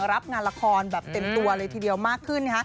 รับงานละครแบบเต็มตัวเลยทีเดียวมากขึ้น